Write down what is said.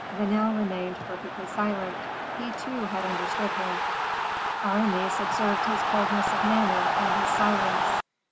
Vanel remained perfectly silent; he, too, had understood him. Aramis observed his coldness of manner and his silence.